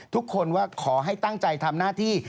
ทุกคนว่าขอให้ตั้งใจทำหน้าที่